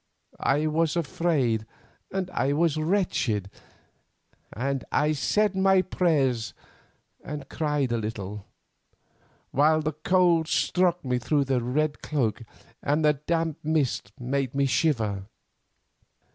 I was afraid, and I was wretched, and I said my prayers and cried a little, while the cold struck me through the red cloak, and the damp mist made me shiver.